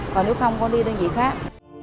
còn nếu không con đi đến vị khác